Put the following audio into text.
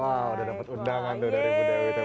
wah udah dapat undangan dari bu dewi